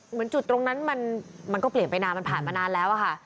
เหมือนจุดตรงนั้นมันก็เปลี่ยนไปนานมันผ่านมานานแล้วอะค่ะ